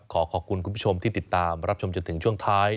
ขอขอบคุณคุณผู้ชมที่ติดตามรับชมจนถึงช่วงท้าย